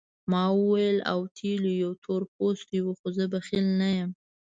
ما وویل اوتیلو یو تور پوستی وو خو زه بخیل نه یم.